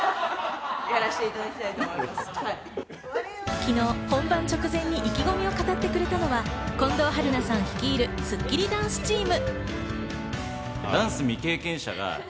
昨日、本番直前に意気込みを語ってくれたのは近藤春菜さん率いる、スッキリダンスチーム。